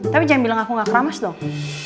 tapi jangan bilang aku gak keramas dong